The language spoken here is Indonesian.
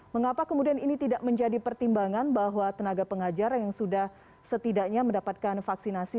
mengapa kemudian ini tidak menjadi pertimbangan bahwa tenaga pengajar yang sudah setidaknya mendapatkan vaksinasi